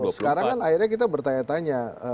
sekarang kan akhirnya kita bertanya tanya